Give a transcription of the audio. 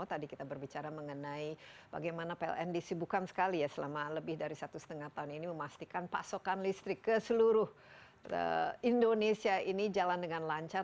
tadi kita berbicara mengenai bagaimana pln disibukan sekali ya selama lebih dari satu setengah tahun ini memastikan pasokan listrik ke seluruh indonesia ini jalan dengan lancar